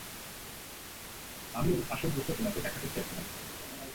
আমি ওর আসল রূপটা তোমাকে দেখাতে চেয়েছিলাম।